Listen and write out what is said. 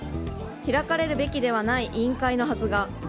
開かれるべきではない委員会のはずが。